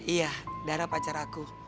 iya dara pacar aku